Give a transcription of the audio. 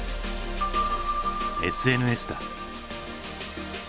ＳＮＳだ。